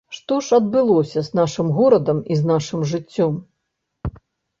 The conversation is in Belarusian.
Што ж адбылося з нашым горадам і з нашым жыццём?